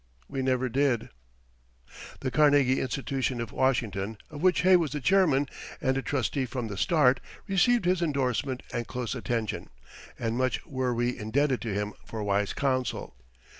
We never did. The Carnegie Institution of Washington, of which Hay was the chairman and a trustee from the start, received his endorsement and close attention, and much were we indebted to him for wise counsel.